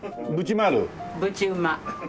ぶちうま？